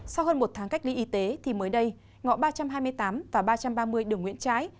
sau hơn một tháng cách ly y tế thì mới đây ngõ ba trăm hai mươi tám và ba trăm ba mươi đường nguyễn trãi